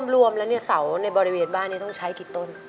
รวมแล้วเนี่ยเสาในบริเวณบ้านนี้ต้องใช้กี่ต้น